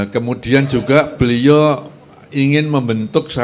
kemudian juga beliau ingin membentuk satu dewan